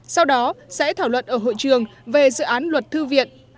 sau đó sẽ thảo luận ở hội trường về dự án luật thư viện